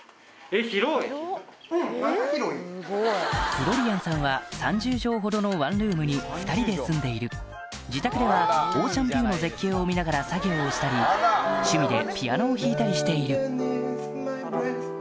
フロリアンさんはに２人で住んでいる自宅ではオーシャンビューの絶景を見ながら作業をしたり趣味でピアノを弾いたりしている